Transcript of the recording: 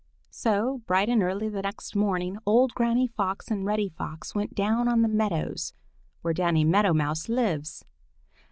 So, bright and early the next morning, old Granny Fox and Reddy Fox went down on the meadows where Danny Meadow Mouse lives.